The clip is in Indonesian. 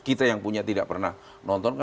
kita yang punya tidak pernah nonton